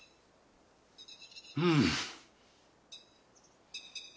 うん。